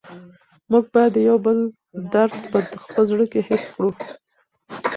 موږ باید د یو بل درد په خپل زړه کې حس کړو.